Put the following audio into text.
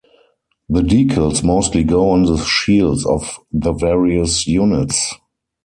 The decals mostly go on the shields of the various units.